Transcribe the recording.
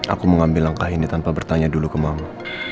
aku mengambil langkah ini tanpa bertanya dulu ke mama